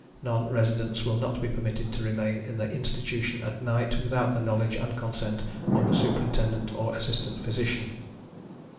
Non residents will not be permitted to remain in the Institution at night without the knowledge and consent of the Superintendent or Assistant Physician.